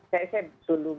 saya dulu begitu menanggung